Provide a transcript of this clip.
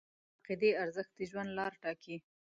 د عقیدې ارزښت د ژوند لار ټاکي.